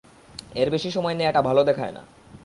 এর বেশি সময় নেয়াটা ভালো দেখায় না।